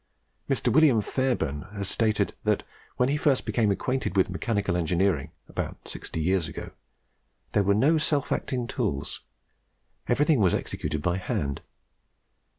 Mr. William Fairbairn has stated that when he first became acquainted with mechanical engineering, about sixty years ago, there were no self acting tools; everything was executed by hand.